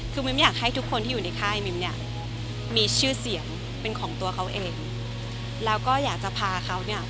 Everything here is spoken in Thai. คือมิมอยากให้ทุกคนที่อยู่ในค่ายมิมเนี่ยมีชื่อเสียงเป็นของตัวเขาเองแล้วก็อยากจะพาเขาเนี่ย